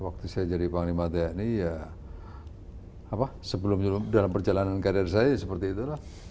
waktu saya jadi panglima tni ya apa sebelum dalam perjalanan karir saya seperti itulah